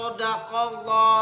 gue ingin anak badan